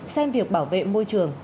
xem việc bảo vệ môi trường